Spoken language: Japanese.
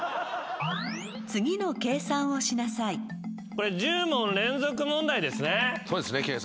これ１０問連続問題ですね。